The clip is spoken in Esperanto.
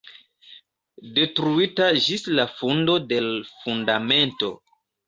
Detruita ĝis la fundo de l' fundamento.